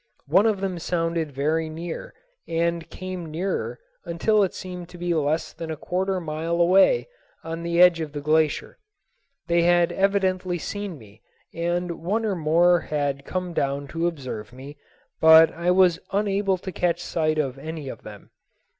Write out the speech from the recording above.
One of them sounded very near and came nearer until it seemed to be less than a quarter of a mile away on the edge of the glacier. They had evidently seen me, and one or more had come down to observe me, but I was unable to catch sight of any of them.